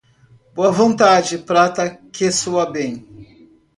Boa vontade, prata que soa bem.